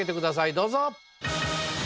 どうぞ！